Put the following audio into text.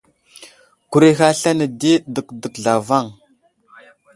Kuray ghay aslane di dəkdək zlavaŋ.